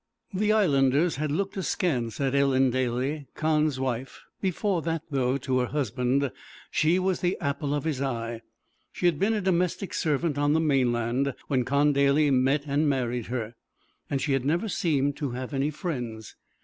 The Islanders had looked askance at Ellen Daly, Con's wife, before that, though to her husband she was the apple of his eye. She had been a domestic servant on the mainland when Con Daly met and married her, and she had never seemed to have any friends.